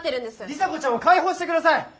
里紗子ちゃんを解放して下さい！